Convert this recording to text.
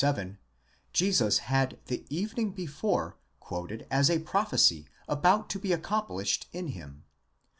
37, Jesus had the evening before quoted as a prophecy about to be accomplished in him.